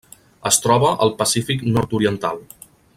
Es troba al Pacífic nord-oriental: